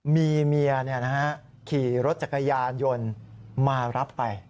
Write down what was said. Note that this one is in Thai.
มีเมียขี่รถจักรยานยนต์มารับไป